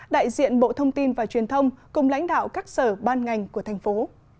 đại diện bộ thông tin và truyền thông cùng lãnh đạo các sở ban ngành của thành phố